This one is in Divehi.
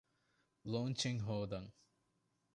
ލޯންޗެއް ހޯދަން